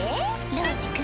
ロウジ君。